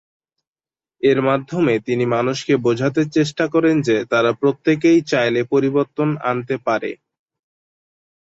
এর মাধ্যমে তিনি মানুষকে বোঝাতে চেষ্টা করেন যে তারা প্রত্যেকেই চাইলে পরিবর্তন আনতে পারে।